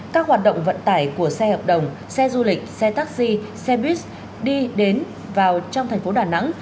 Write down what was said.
các hoạt động vận tải của xe hợp đồng xe du lịch xe taxi xe buýt đi đến vào trong thành phố đà nẵng